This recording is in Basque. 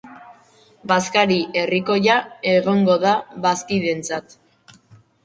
Bazkari herrikoia egongo da bazkideentzat.